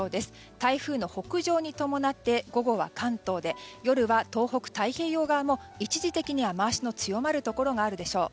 台風の北上に伴って午後は関東で夜は東北、太平洋側も一時的に雨脚の強まるところがあるでしょう。